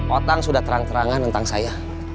otang sudah terang terangan tentang saya